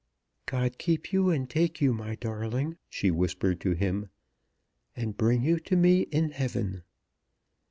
"God keep you and take you, my darling," she whispered to him, "and bring you to me in heaven."